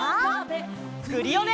クリオネ！